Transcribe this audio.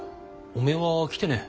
おめえは来てねえ。